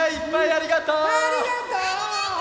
ありがとう！